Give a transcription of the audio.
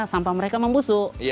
sampah mereka membusuk